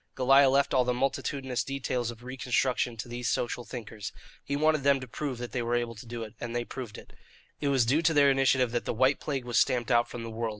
Goliah left all the multitudinous details of reconstruction to these social thinkers. He wanted them to prove that they were able to do it, and they proved it. It was due to their initiative that the white plague was stamped out from the world.